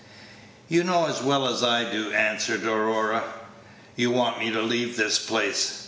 "You know as well as I do," answered Aurora. "You want me to leave this place?"